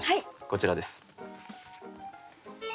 こちらです。